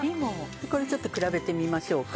これちょっと比べてみましょうか。